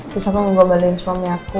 terus aku ngobalin suami aku